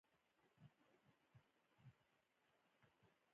د پښو د پړسوب لپاره باید څه شی وکاروم؟